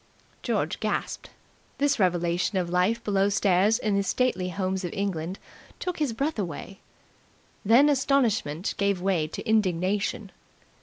George gasped. This revelation of life below stairs in the stately homes of England took his breath away. Then astonishment gave way to indignation.